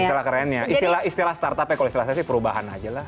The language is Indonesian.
istilah kerennya istilah istilah startupnya kalau istilah saya sih perubahan aja lah